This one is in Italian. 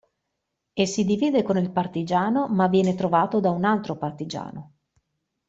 E si divide con il partigiano ma viene trovato da un altro partigiano.